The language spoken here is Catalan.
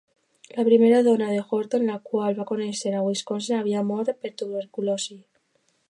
La primera dona de Horton, la qual va conèixer a Wisconsin, havia mort per tuberculosi.